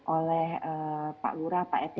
oleh pak lura pak eti